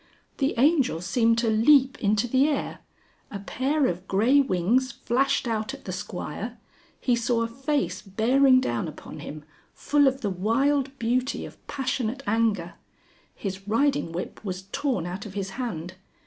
The Angel seemed to leap into the air, a pair of grey wings flashed out at the Squire, he saw a face bearing down upon him, full of the wild beauty of passionate anger. His riding whip was torn out of his hand.